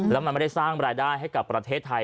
แล้วมันไม่ได้สร้างรายได้ให้กับประเทศไทย